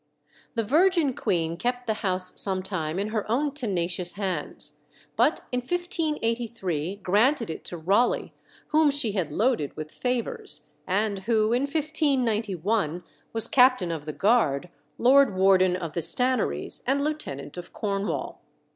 The virgin queen kept the house some time in her own tenacious hands, but in 1583 granted it to Raleigh, whom she had loaded with favours, and who, in 1591, was Captain of the Guard, Lord Warden of the Stannaries, and Lieutenant of Cornwall.